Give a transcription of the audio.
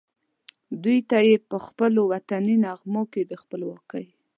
دوی ته یې پخپلو وطني نغمو کې د خپلواکۍ